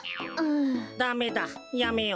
ダメだやめよう。